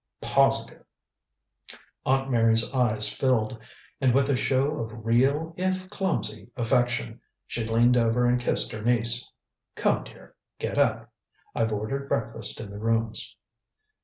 "Positive." Aunt Mary's eyes filled, and with a show of real, if clumsy affection, she leaned over and kissed her niece. "Come, dear, get up. I've ordered breakfast in the rooms."